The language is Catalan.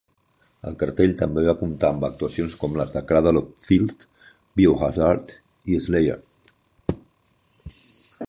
El cartell també va comptar amb actuacions com les de Cradle of Filth, Biohazard i Slayer.